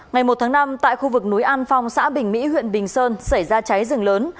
ngày một tháng năm tại khu vực núi an phong xã bình mỹ huyện bình sơn xảy ra cháy rừng lớn